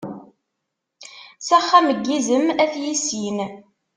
S axxam n yizem ad t-yissin.